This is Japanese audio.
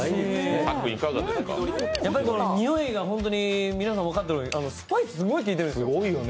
やっぱり匂いが皆さん分かる通りスパイスすごい効いてるんですよ。